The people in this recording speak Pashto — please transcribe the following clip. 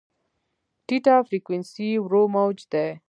ټیټه فریکونسي ورو موج دی.